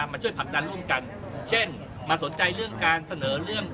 มาช่วยผลักดันร่วมกันเช่นมาสนใจเรื่องการเสนอเรื่อง